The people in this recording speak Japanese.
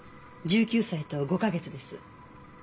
１９歳と５か月です。